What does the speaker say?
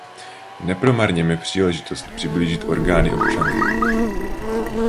Nepromarněme příležitost přiblížit orgány občanům.